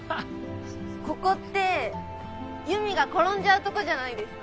ここってユミが転んじゃうとこじゃないですか。